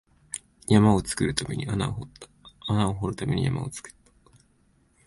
山を作るために穴を掘った、穴を掘るために山を作った